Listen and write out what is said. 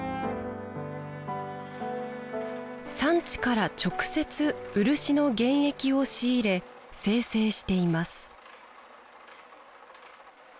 産地から直接漆の原液を仕入れ精製しています